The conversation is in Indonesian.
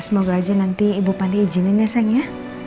ya semoga aja nanti ibu panti izinin ya sayang ya